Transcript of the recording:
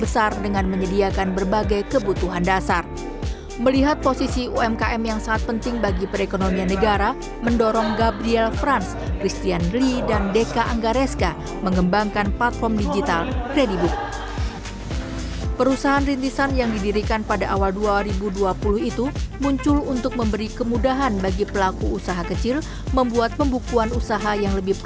saat dirinya melihat dunia umkm justru dapat berkembang